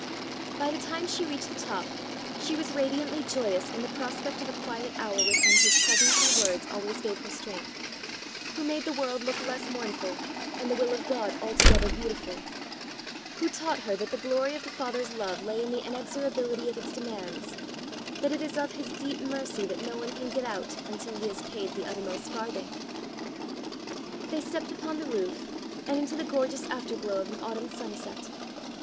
By the time she reached the top she was radiantly joyous in the prospect of a quiet hour with him whose presence and words always gave her strength, who made the world look less mournful, and the will of God altogether beautiful; who taught her that the glory of the Father's love lay in the inexorability of its demands, that it is of his deep mercy that no one can get out until he has paid the uttermost farthing. They stepped upon the roof and into the gorgeous afterglow of an autumn sunset.